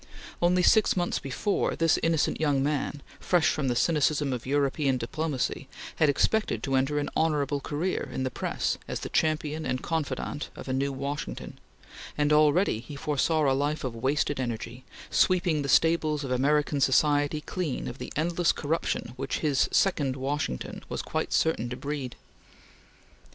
Only six months before, this innocent young man, fresh from the cynicism of European diplomacy, had expected to enter an honorable career in the press as the champion and confidant of a new Washington, and already he foresaw a life of wasted energy, sweeping the stables of American society clear of the endless corruption which his second Washington was quite certain to breed.